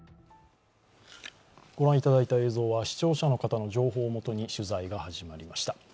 御覧いただいた映像は視聴者の情報をもとに取材が始まりました。